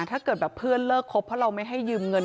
ถ้าเกิดแบบเพื่อนเลิกครบเพราะเราไม่ให้ยืมเงิน